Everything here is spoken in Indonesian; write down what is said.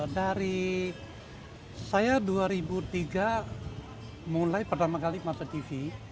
dari saya dua ribu tiga mulai pertama kali masa tv